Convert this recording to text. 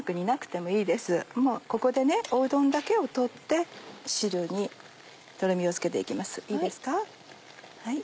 もうここでうどんだけを取って汁にとろみをつけて行きます。